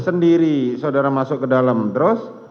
sendiri saudara masuk ke dalam dros